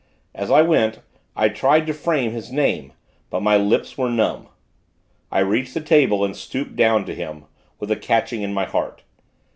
As I went, I tried to frame his name; but my lips were numb. I reached the table, and stooped down to him, with a catching at my heart.